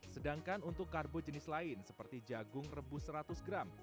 sedangkan untuk karbo jenis lain seperti jagung rebus seratus gram